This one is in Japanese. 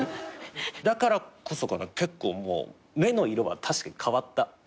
だからこそかな目の色は確かに変わった。